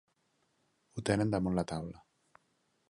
Ho tenen damunt la taula.